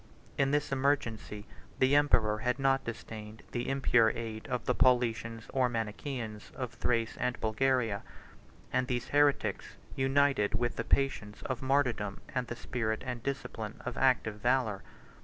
In this emergency, the emperor had not disdained the impure aid of the Paulicians or Manichaeans of Thrace and Bulgaria; and these heretics united with the patience of martyrdom the spirit and discipline of active valor.